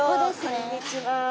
こんにちは。